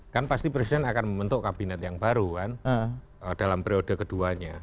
kan pasti presiden akan membentuk kabinet yang baru kan dalam periode keduanya